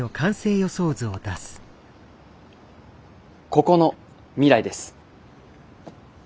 ここの未来です。